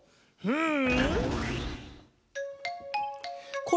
うん。